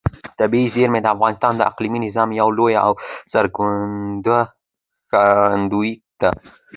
طبیعي زیرمې د افغانستان د اقلیمي نظام یوه لویه او څرګنده ښکارندوی ده.